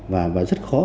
và rất khó